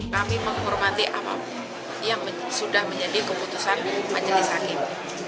kami menghormati apapun yang sudah menjadi keputusan majelis hakim